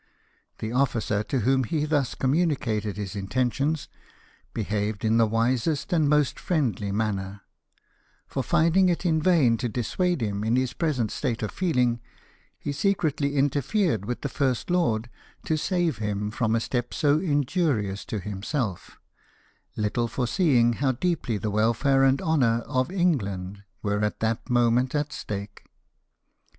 The officer to whom he thus communicated his intentions behaved in the wisest and most friendly manner ; for, finding it in vain to dissuade him in his present state of feeling, he secretly interfered with the First Lord to save him from a step so injurious to himself, little foreseeing how deeply the welfare and honour of England were at that moment at stake.